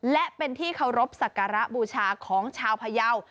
และเป็นที่เคารพสักการะบูชาของชาวพยาว